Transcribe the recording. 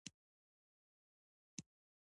هغوی پر ټانګونو د شګو ګوزارونه وکړل.